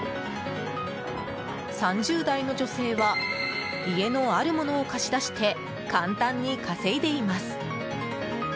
３０代の女性は、家のあるものを貸し出して簡単に稼いでいます。